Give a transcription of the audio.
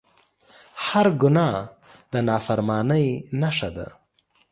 هر ګناه د نافرمانۍ نښه ده